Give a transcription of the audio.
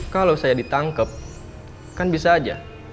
kan bisa aja